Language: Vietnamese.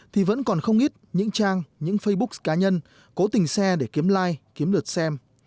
thì vẫn còn không ít những trang những facebook cá nhân cố tình share để kiểm tra